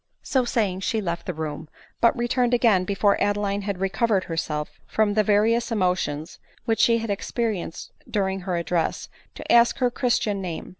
So saying she left the room, but returned again, be fore Adeline had recovered herself from the various emotions which she had experienced during her address, to ask her christian name.